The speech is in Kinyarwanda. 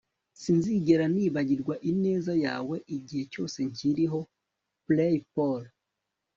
Sinzigera nibagirwa ineza yawe igihe cyose nkiriho blaypaul